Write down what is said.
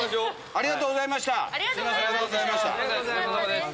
ありがとうございます。